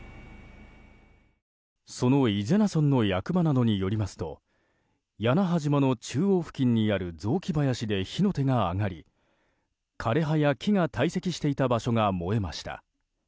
その伊是名村の役場などによりますと屋那覇島の中央付近にある雑木林などに火の手が上がり枯れ葉や木が堆積していた場所が燃えました。